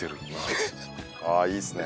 ああいいっすね。